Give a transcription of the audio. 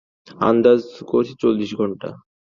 আন্দাজ করছি চব্বিশ ঘণ্টা।